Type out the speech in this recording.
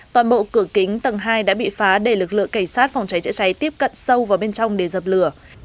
toàn bộ cửa kính tầng hai đã bị phá để lực lượng cảnh sát phòng cháy chữa cháy tiếp cận sâu vào bên trong để dập lửa